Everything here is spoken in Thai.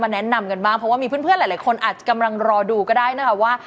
แนะนำกันบ้างเพราะว่ามีเพื่อนหลายคนอาจจะกำลังรอดูก็ได้นะคะว่า